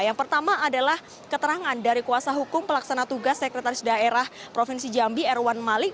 yang pertama adalah keterangan dari kuasa hukum pelaksana tugas sekretaris daerah provinsi jambi erwan malik